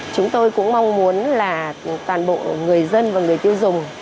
chúng tôi cũng mong muốn là toàn bộ người dân và người tiêu dùng